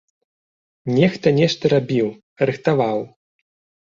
Нехта нешта рабіў, рыхтаваў.